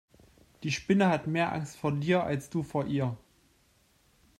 Die Spinne hat mehr Angst vor dir als du vor ihr.